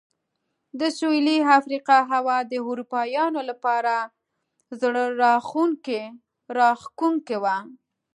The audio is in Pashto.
د سوېلي افریقا هوا د اروپایانو لپاره زړه راښکونکې وه.